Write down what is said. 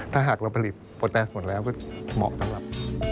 ถ้าหากเราผลิตโปรแตนหมดแล้วก็เหมาะสำหรับ